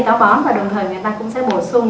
táo bón và đồng thời người ta cũng sẽ bổ sung